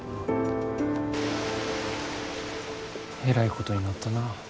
えらいことになったな。